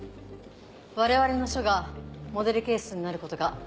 我々の署がモデルケースになることが決まりました。